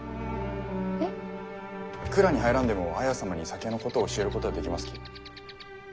えっ？蔵に入らんでも綾様に酒のことを教えることはできますき。